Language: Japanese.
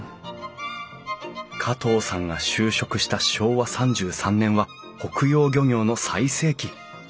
加藤さんが就職した昭和３３年は北洋漁業の最盛期。